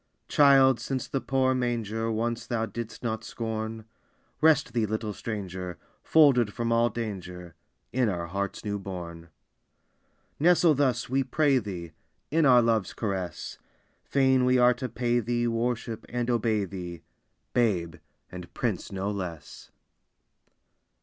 Child, since the poor manger Once thou didst not scorn, Rest thee, little Stranger, Folded from all danger, In our hearts new born! Nestle thus, we pray thee, In our love's caress; Fain we are to pay thee Worship, and obey thee, Babe, and Prince no less!